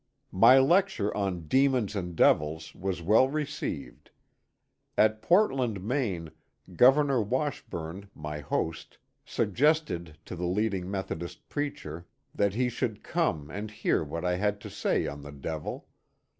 My lecture on *^ Demons and Devils " was well received. At Portland, Me., Governor Washburn, my host, suggested to the leading Methodist preacher that he should come and hear what I had to say on the Devil.